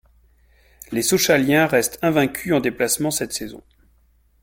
Les Sochaliens restent invaincus en déplacement cette saison.